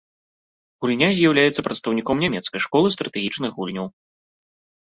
Гульня з'яўляецца прадстаўніком нямецкай школы стратэгічных гульняў.